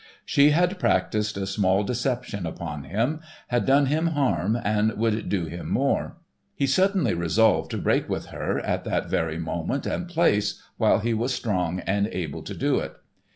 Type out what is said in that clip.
She had practiced a small deception upon him, had done him harm and would do him more. He suddenly resolved to break with her at that very moment and place while he was strong and able to do it.